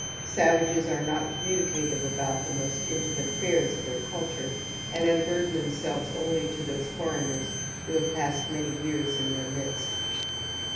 Savages are not communicative about the most intimate afiairs of their culture and unbulden themselves only to those for eigners who have passed many years in their midst.